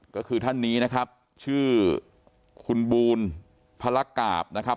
ก็คือท่านนี้นะครับชื่อคุณบูลพระกาบนะครับ